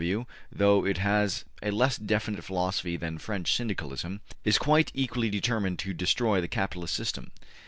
W., though it has a less definite philosophy than French Syndicalism, is quite equally determined to destroy the capitalist system.